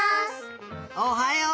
おはよう！